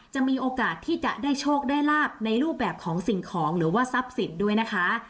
มีโอกาสที่จะได้โชคได้ลาบในรูปแบบของสิ่งของหรือว่าทรัพย์สินด้วยนะคะ